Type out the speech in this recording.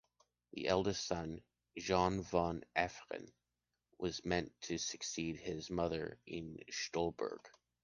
The eldest son, Johann von Efferen, was meant to succeed his mother in Stolberg.